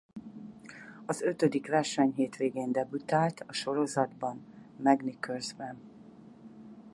Az ötödik versenyhétvégén debütált a sorozatban Magny-Coursban.